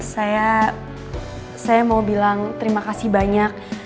saya mau bilang terima kasih banyak